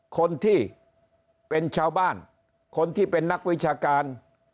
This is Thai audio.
คนที่เป็นชาวบ้านคนที่เป็นนักวิชาการ